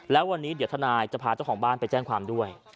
แล้ววันนี้เดี๋ยวทนายจะพาเจ้าของบ้านไปแจ้งความด้วย